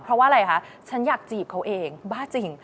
เพราะว่าอะไรคะฉันอยากจีบเขาเองบ้าจริง